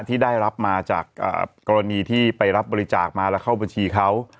ที่ได้รับมาจากกรณีที่ไปรับบริจาคมาแล้วเข้าบัญชีเขา